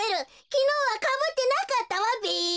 きのうはかぶってなかったわべ。